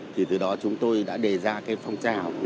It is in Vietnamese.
thì từ đó chúng tôi đã đề ra cái phong trào khác nhau